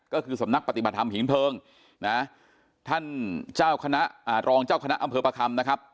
ก็คือสำนักปฏิบัติธรรมหินเพลิงนะท่านเจ้าคณะรองเจ้าคณะอำเภอประคำนะครับ